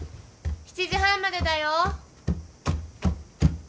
７時半までだよ。